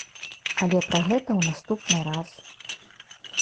Але пра гэта ў наступны раз.